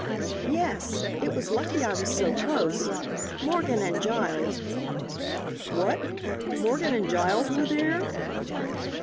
"Yes. It was lucky I was so close. Morgan and Giles " "What, Morgan and Giles were there?"